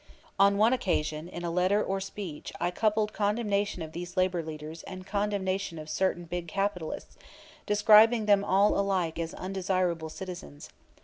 On one occasion in a letter or speech I coupled condemnation of these labor leaders and condemnation of certain big capitalists, describing them all alike as "undesirable citizens."